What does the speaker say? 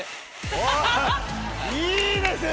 あぁいいですね！